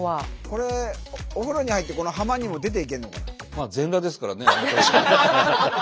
これお風呂に入ってこの浜にも出て行けるのかな？